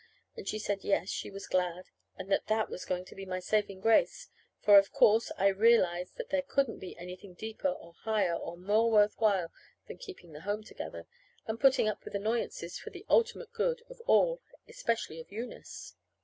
And she said yes, she was glad, and that that was going to be my saving grace; for, of course, I realized that there couldn't be anything deeper or higher or more worth while than keeping the home together, and putting up with annoyances, for the ultimate good of all, especially of Eunice.